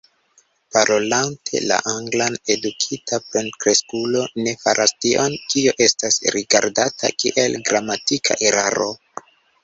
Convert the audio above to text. Parolante la anglan, edukita plenkreskulo ne faras tion, kio estas rigardata kiel gramatika eraro.